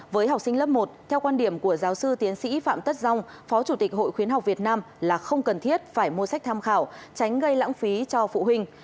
với học sinh lớp một theo quan điểm của giáo sư tiến sĩ phạm tất dong phó chủ tịch hội khuyến học việt nam là không cần thiết phải mua sách tham khảo tránh gây lãng phí cho phụ huynh